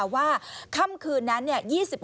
ว่าคำคืนนั้นเนี่ย